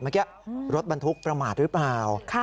เมื่อกี้รถบรรทุกประมาทหรือเปล่า